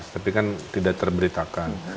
tapi kan tidak terberitakan